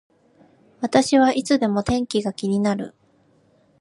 私はいつでも天気が気になる